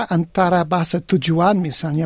antara bahasa tujuan misalnya